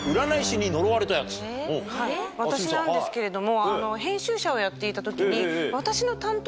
私なんですけれども。